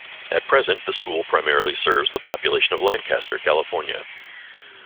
At present, the school primarily serves the population of Lancaster, California.